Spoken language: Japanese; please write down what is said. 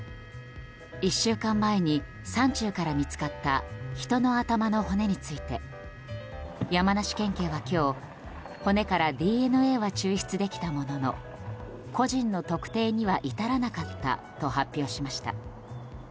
１週間前に山中から見つかった人の頭の骨について山梨県警は今日骨からＤＮＡは抽出できたものの個人の特定には至らなかったと発表しました。